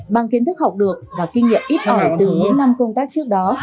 bằng kiến thức học được và kinh nghiệm ít hỏi từ những năm công tác trước đó